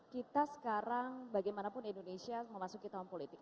kita sekarang bagaimanapun indonesia memasuki tahun politik